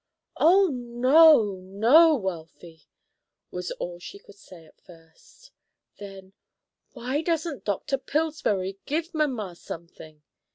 "Oh, no, no, Wealthy," was all she could say at first. Then, "Why doesn't Dr. Pillsbury give mamma something?"